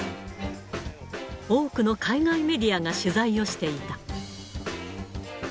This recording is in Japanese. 多くの海外メディアが取材をしていた。